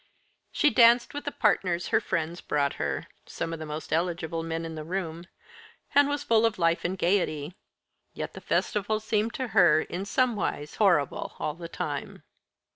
She danced with the partners her friends brought her some of the most eligible men in the room and was full of life and gaiety; yet the festival seemed to her in somewise horrible all the time.